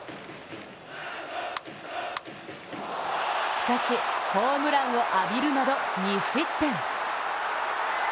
しかし、ホームランを浴びるなど２失点。